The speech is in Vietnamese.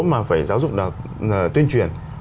mà phải giáo dục là tuyên truyền